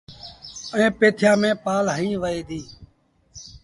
ائيٚݩ پيٿيآݩ ميݩ پآل هنئيٚ وهي ديٚ۔